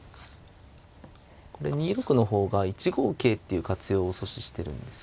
これ２六の方が１五桂っていう活用を阻止してるんですよね。